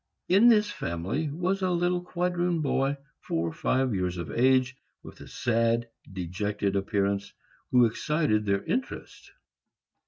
In this family was a little quadroon boy, four or five years of age, with a sad, dejected appearance, who excited their interest.